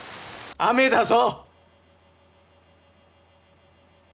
雨だぞ！